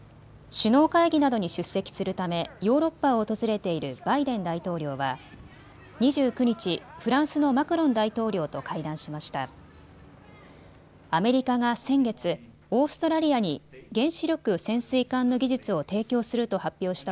首脳会議などに出席するためヨーロッパを訪れているバイデン大統領は２９日、フランスのマクロン大統領と会談しました。